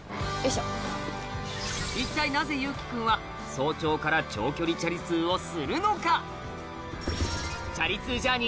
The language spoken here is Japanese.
一体なぜ友稀君は早朝から長距離チャリ通をするのか？